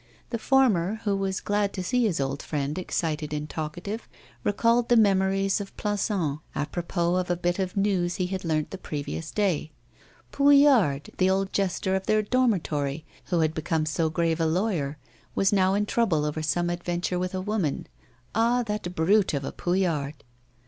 The former, who was glad to see his old friend excited and talkative, recalled the memories of Plassans apropos of a bit of news he had learnt the previous day. Pouillaud, the old jester of their dormitory, who had become so grave a lawyer, was now in trouble over some adventure with a woman. Ah! that brute of a Pouillaud!